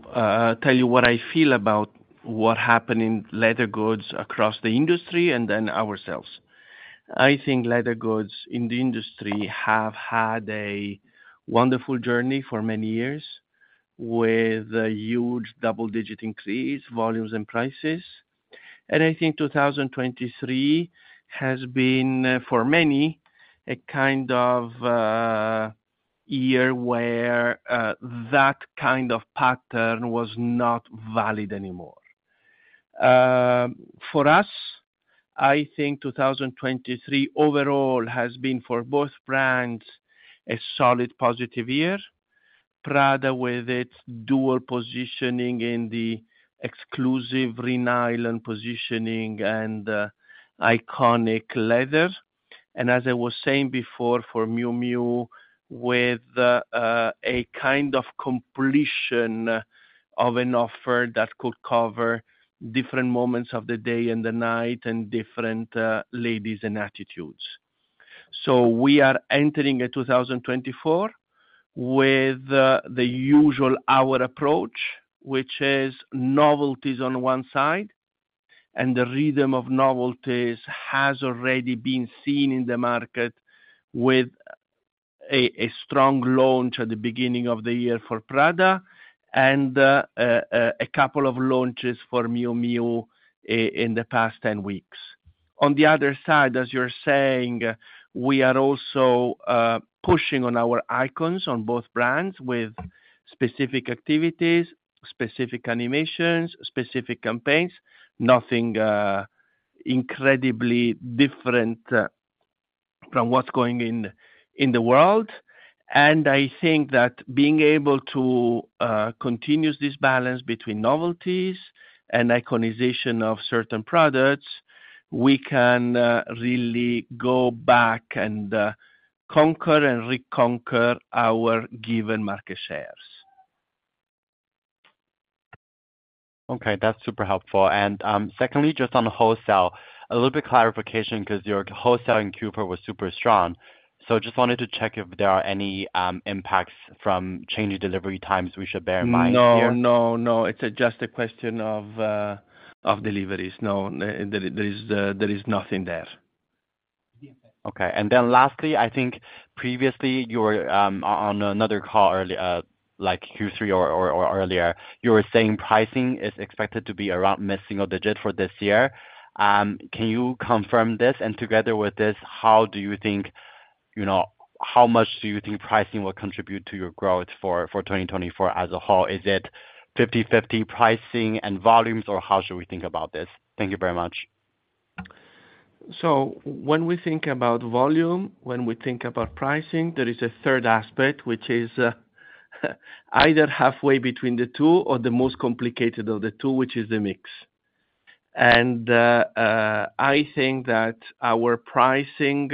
tell you what I feel about what happened in leather goods across the industry and then ourselves. I think leather goods in the industry have had a wonderful journey for many years with a huge double-digit increase, volumes, and prices. I think 2023 has been, for many, a kind of year where that kind of pattern was not valid anymore. For us, I think 2023 overall has been for both brands a solid positive year, Prada with its dual positioning in the exclusive reigning positioning and iconic leather. And as I was saying before, for Miu Miu with a kind of completion of an offer that could cover different moments of the day and the night and different ladies and attitudes. We are entering 2024 with the usual our approach, which is novelties on one side. The rhythm of novelties has already been seen in the market with a strong launch at the beginning of the year for Prada and a couple of launches for Miu Miu in the past 10 weeks. On the other side, as you're saying, we are also pushing on our icons on both brands with specific activities, specific animations, specific campaigns, nothing incredibly different from what's going in the world. I think that being able to continue this balance between novelties and iconization of certain products, we can really go back and conquer and reconquer our given market shares. Okay. That's super helpful. And secondly, just on wholesale, a little bit of clarification because your wholesale in Q4 was super strong. So I just wanted to check if there are any impacts from changing delivery times we should bear in mind here. No. No. No. It's just a question of deliveries. No. There is nothing there. Okay. And then lastly, I think previously, you were on another call earlier, like Q3 or earlier. You were saying pricing is expected to be around missing a digit for this year. Can you confirm this? And together with this, how do you think how much do you think pricing will contribute to your growth for 2024 as a whole? Is it 50/50 pricing and volumes, or how should we think about this? Thank you very much. So when we think about volume, when we think about pricing, there is a third aspect, which is either halfway between the two or the most complicated of the two, which is the mix. And I think that our pricing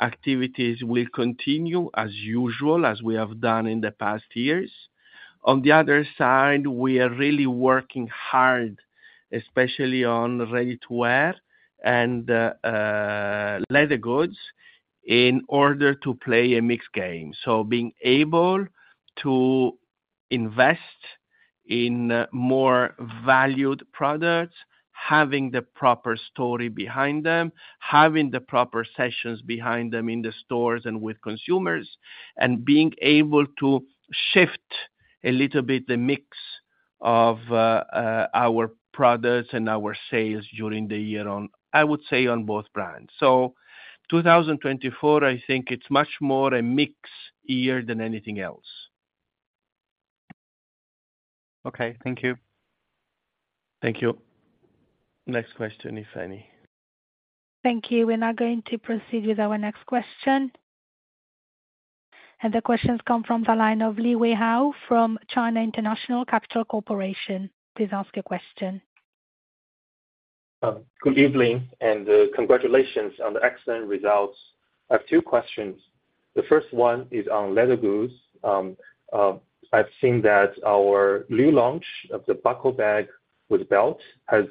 activities will continue as usual, as we have done in the past years. On the other side, we are really working hard, especially on ready-to-wear and leather goods, in order to play a mixed game. So being able to invest in more valued products, having the proper story behind them, having the proper sessions behind them in the stores and with consumers, and being able to shift a little bit the mix of our products and our sales during the year, I would say, on both brands. So 2024, I think it's much more a mixed year than anything else. Okay. Thank you. Thank you. Next question, if any. Thank you. We are now going to proceed with our next question. And the questions come from the line of Liwei HOU from China International Capital Corporation. Please ask your question. Good evening. Congratulations on the excellent results. I have two questions. The first one is on leather goods. I've seen that our new launch of the Buckle bag with belt has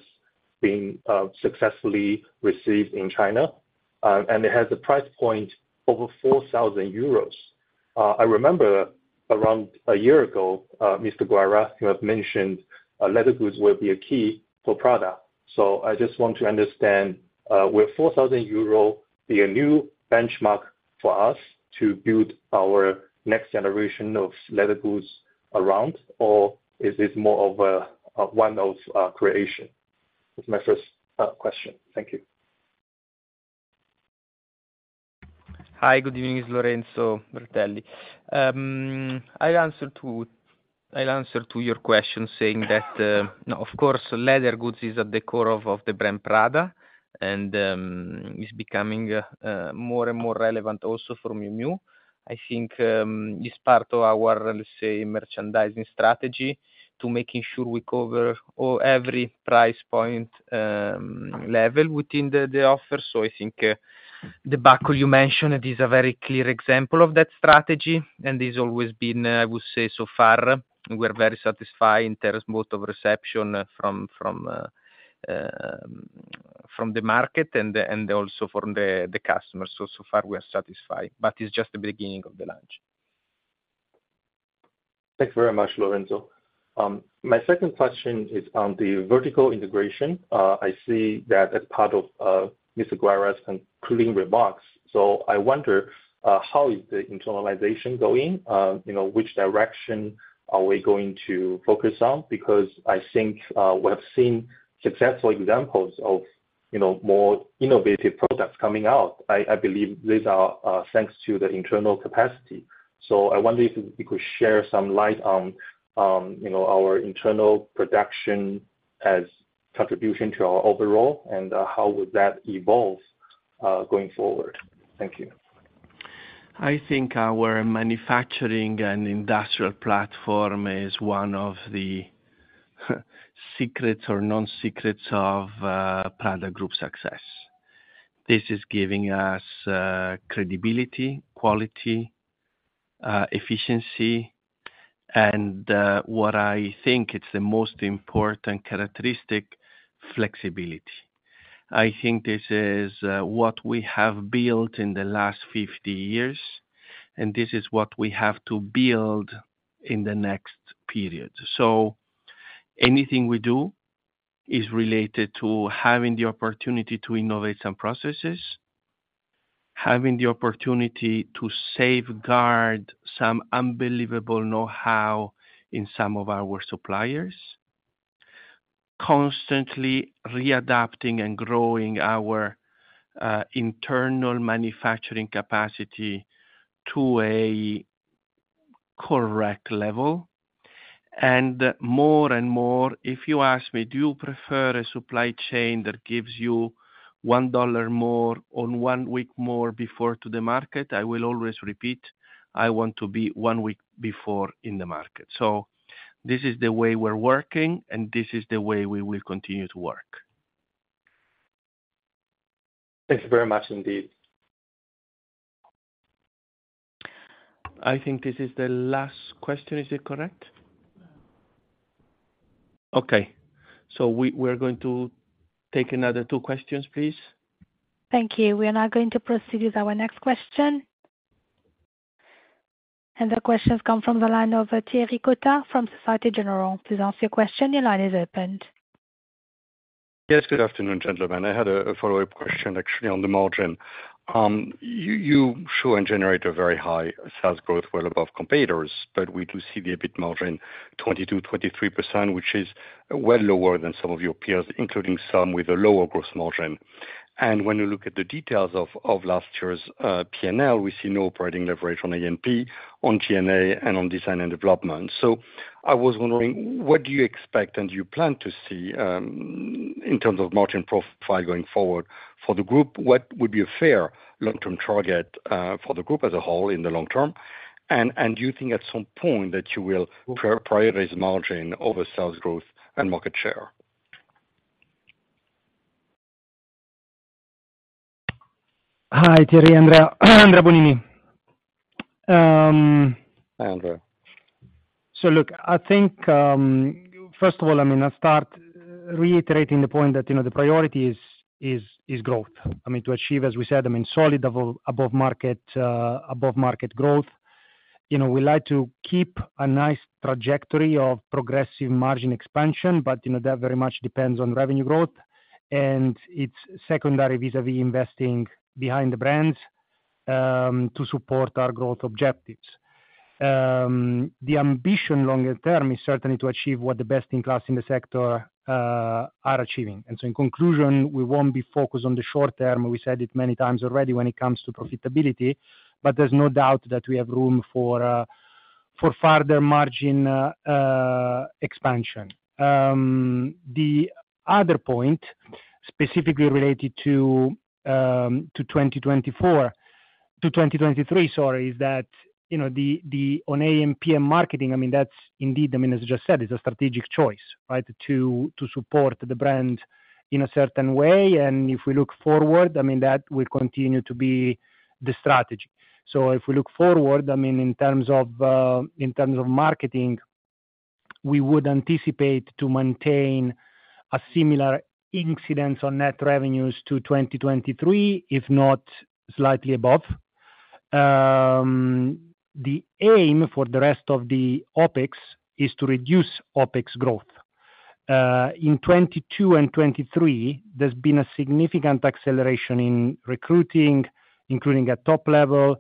been successfully received in China. It has a price point over 4,000 euros. I remember around a year ago, Mr. Guerra, you have mentioned leather goods will be a key for Prada. I just want to understand, will 4,000 euro be a new benchmark for us to build our next generation of leather goods around, or is this more of one of creation? That's my first question. Thank you. Hi. Good evening, it's Lorenzo Bertelli. I'll answer to your question saying that, of course, leather goods is at the core of the brand Prada. It's becoming more and more relevant also for Miu Miu. I think it's part of our, let's say, merchandising strategy to making sure we cover every price point level within the offer. So I think the Buckle you mentioned is a very clear example of that strategy. It's always been, I would say, so far, we are very satisfied in terms both of reception from the market and also from the customers. So so far, we are satisfied. But it's just the beginning of the launch. Thank you very much, Lorenzo. My second question is on the vertical integration. I see that as part of Mr. Guerra's concluding remarks. I wonder, how is the internalization going? Which direction are we going to focus on? Because I think we have seen successful examples of more innovative products coming out. I believe these are thanks to the internal capacity. I wonder if you could shed some light on our internal production as contribution to our overall, and how would that evolve going forward? Thank you. I think our manufacturing and industrial platform is one of the secrets or non-secrets of Prada Group's success. This is giving us credibility, quality, efficiency, and what I think it's the most important characteristic, flexibility. I think this is what we have built in the last 50 years. This is what we have to build in the next period. Anything we do is related to having the opportunity to innovate some processes, having the opportunity to safeguard some unbelievable know-how in some of our suppliers, constantly readapting and growing our internal manufacturing capacity to a correct level. More and more, if you ask me, do you prefer a supply chain that gives you $1 more or one week more before to the market, I will always repeat, I want to be one week before in the market. This is the way we're working. This is the way we will continue to work. Thank you very much, indeed. I think this is the last question. Is it correct? Okay. So we're going to take another two questions, please. Thank you. We are now going to proceed with our next question. The questions come from the line of Thierry Cota from Société Générale. Please ask your question. Your line is open. Yes. Good afternoon, gentlemen. I had a follow-up question, actually, on the margin. You show and generate a very high sales growth, well above competitors. But we do see the EBIT margin, 22%-23%, which is well lower than some of your peers, including some with a lower gross margin. And when you look at the details of last year's P&L, we see no operating leverage on A&P, on G&A, and on design and development. So I was wondering, what do you expect and do you plan to see in terms of margin profile going forward for the group? What would be a fair long-term target for the group as a whole in the long term? And do you think at some point that you will prioritize margin over sales growth and market share? Hi, Thierry. Andrea Bonini. Hi, Andrea. So look, I think, first of all, I mean, I'll start reiterating the point that the priority is growth. I mean, to achieve, as we said, I mean, solid above-market growth. We like to keep a nice trajectory of progressive margin expansion. But that very much depends on revenue growth. And it's secondary vis-à-vis investing behind the brands to support our growth objectives. The ambition longer term is certainly to achieve what the best in class in the sector are achieving. And so in conclusion, we won't be focused on the short term. We said it many times already when it comes to profitability. But there's no doubt that we have room for further margin expansion. The other point, specifically related to 2023, sorry, is that on A&P and marketing, I mean, that's indeed, I mean, as I just said, it's a strategic choice, right, to support the brand in a certain way. If we look forward, I mean, that will continue to be the strategy. If we look forward, I mean, in terms of marketing, we would anticipate to maintain a similar incidence on net revenues to 2023, if not slightly above. The aim for the rest of the OPEX is to reduce OPEX growth. In 2022 and 2023, there's been a significant acceleration in recruiting, including at top level.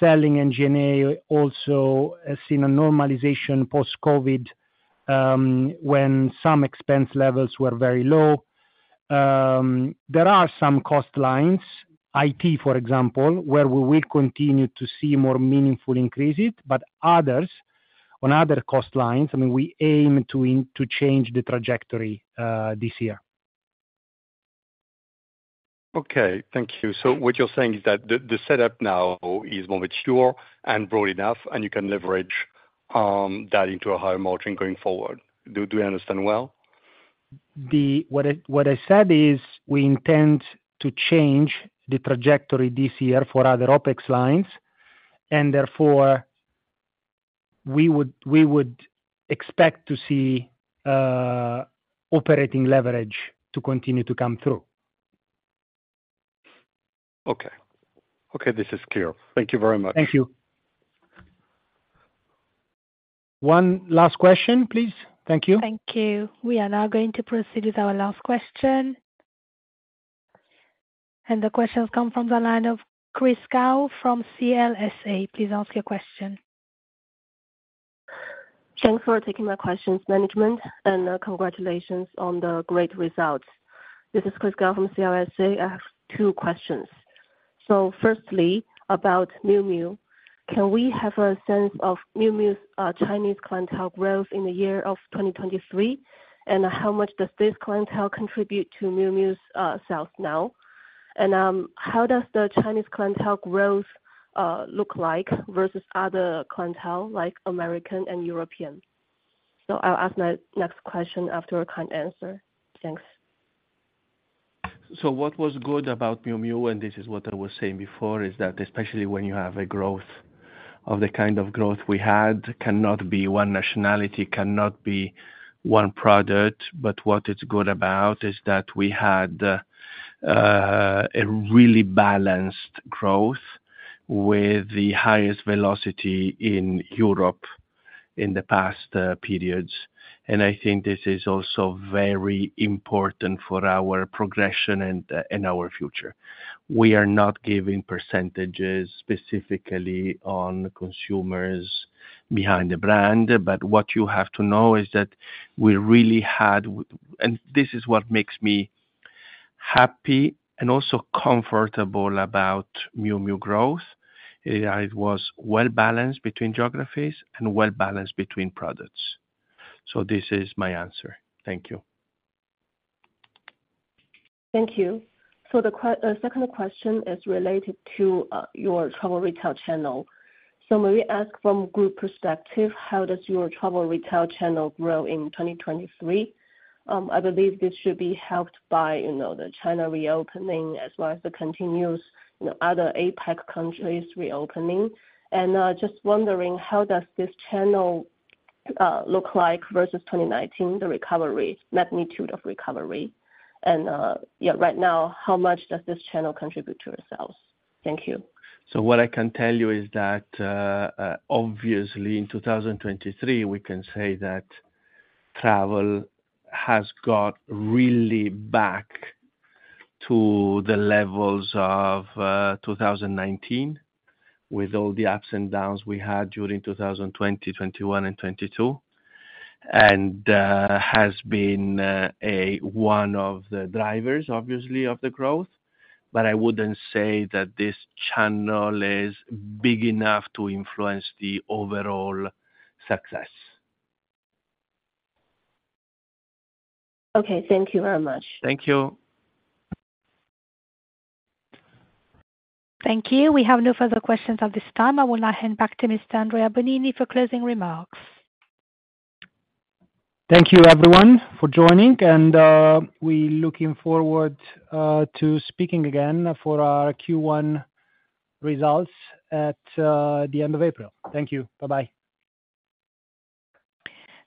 Selling and G&A also has seen a normalization post-COVID when some expense levels were very low. There are some cost lines, IT, for example, where we will continue to see more meaningful increases. But on other cost lines, I mean, we aim to change the trajectory this year. Okay. Thank you. So what you're saying is that the setup now is more mature and broad enough, and you can leverage that into a higher margin going forward. Do I understand well? What I said is we intend to change the trajectory this year for other OPEX lines. Therefore, we would expect to see operating leverage to continue to come through. Okay. Okay. This is clear. Thank you very much. Thank you. One last question, please. Thank you. Thank you. We are now going to proceed with our last question. The questions come from the line of Chris Gao from CLSA. Please ask your question. Thanks for taking my questions, management. Congratulations on the great results. This is Chris Gao from CLSA. I have two questions. Firstly, about Miu Miu, can we have a sense of Miu Miu's Chinese clientele growth in the year of 2023? And how much does this clientele contribute to Miu Miu's sales now? And how does the Chinese clientele growth look like versus other clientele like American and European? I'll ask my next question after a kind answer. Thanks. So what was good about Miu Miu, and this is what I was saying before, is that especially when you have a growth of the kind of growth we had, cannot be one nationality, cannot be one product. But what it's good about is that we had a really balanced growth with the highest velocity in Europe in the past periods. I think this is also very important for our progression and our future. We are not giving percentages specifically on consumers behind the brand. But what you have to know is that we really had, and this is what makes me happy and also comfortable about Miu Miu growth. It was well balanced between geographies and well balanced between products. This is my answer. Thank you. Thank you. So the second question is related to your travel retail channel. So may we ask, from a group perspective, how does your travel retail channel grow in 2023? I believe this should be helped by the China reopening as well as the continuous other APEC countries reopening. And just wondering, how does this channel look like versus 2019, the magnitude of recovery? And yeah, right now, how much does this channel contribute to your sales? Thank you. So what I can tell you is that, obviously, in 2023, we can say that travel has got really back to the levels of 2019 with all the ups and downs we had during 2020, 2021, and 2022, and has been one of the drivers, obviously, of the growth. But I wouldn't say that this channel is big enough to influence the overall success. Okay. Thank you very much. Thank you. Thank you. We have no further questions at this time. I will now hand back to Mr. Andrea Bonini for closing remarks. Thank you, everyone, for joining. We're looking forward to speaking again for our Q1 results at the end of April. Thank you. Bye-bye.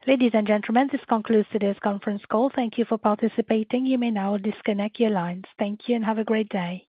Ladies and gentlemen, this concludes today's conference call. Thank you for participating. You may now disconnect your lines. Thank you, and have a great day.